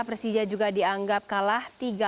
persija juga dianggap kalah tiga